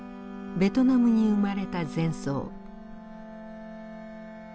ベトナムに生まれた禅僧。